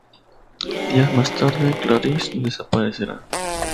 Días más tarde Clarisse desaparece.